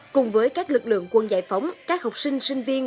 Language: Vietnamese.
cùng với các lực lượng quân giải phóng các học sinh sinh viên